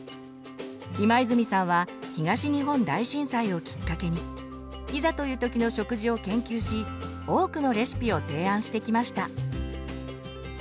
今泉さんは東日本大震災をきっかけにいざという時の食事を研究し多くのレシピを提案してきました。